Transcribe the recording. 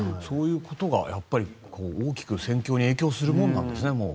そういうことが大きく戦況に影響するものなんですね。